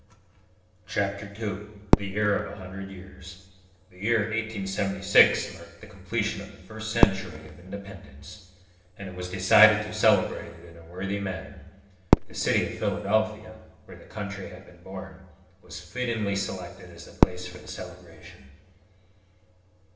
CHAPTER II THE YEAR OF A HUNDRED YEARS The year 1876 marked the completion of the first century of independence, and it was decided to celebrate it in a worthy manner. The city of Philadelphia, where the country had been born, was fittingly selected as the place for the celebration.